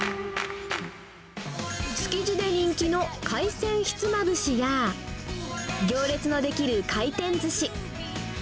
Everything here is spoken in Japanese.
築地で人気の海鮮ひつまぶしや行列の出来る回転ずし。